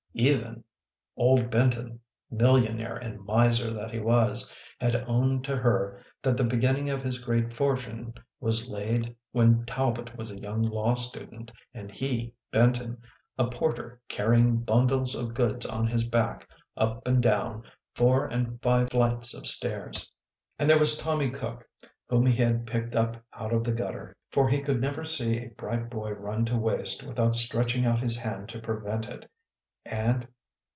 Even WALKING THE RAINBOW 115 old Benton, millionaire and miser that he was, had owned to her that the beginning of his great fortune was laid when Talbot was a young law student, and he, Benton, a porter carrying bundles of goods on his back up and down four and five flights of stairs. And there was Tommy Cook, whom he had picked up out of the gutter, for he could never see a bright boy run to waste without stretching out his hand to prevent it ... and